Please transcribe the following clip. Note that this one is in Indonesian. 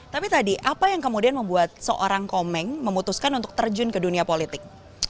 tapi tadi apa yang kemudian membuat seorang komeng memutuskan untuk terjun ke dunia politik